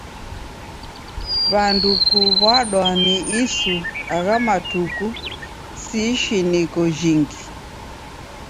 W'andu kuw'ukwa ni isu agha matuku si ishiniko jinghi.